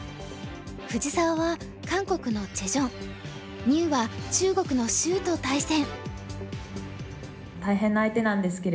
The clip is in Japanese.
藤沢は韓国のチェ・ジョン牛は中国の周と対戦。